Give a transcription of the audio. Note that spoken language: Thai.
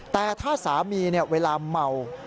แต่ถ้าสามีเวลาเมา